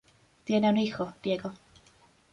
Tiene un hijo, Diego.